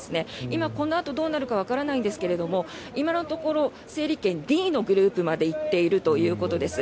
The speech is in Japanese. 今、このあとどうなるかわからないんですけども今のところ整理券Ｄのグループまで行っているということです。